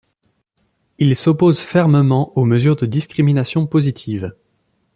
Il s'oppose fermement aux mesures de discrimination positive.